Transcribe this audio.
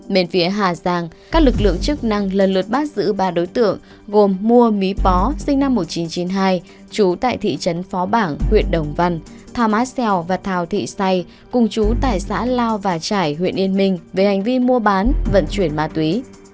bên phía hà giang các lực lượng chức năng lần lượt bắt giữ ba đối tượng gồm mua mý pó sinh năm một nghìn chín trăm chín mươi hai trú tại thị trấn phó bảng huyện đồng văn thao má xeo và thao thị xay cùng trú tại xã lao và trải huyện yên minh về hành vi mua bán vận chuyển ma túy